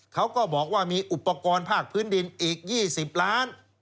เขาก็บอกว่ามีอุปกรณ์ภาคพื้นดินอีก๒๐ล้าน